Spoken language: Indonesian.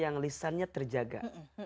yang lisannya terjaga